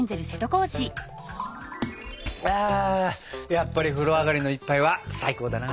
やっぱり風呂上がりの一杯は最高だな！